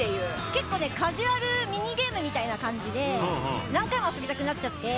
結構ねカジュアルミニゲームみたいな感じで何回も遊びたくなっちゃって。